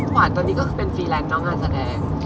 ขอร์ตตัวนี้ก็เป็นฟีแร็กข์เนอะงานแสดง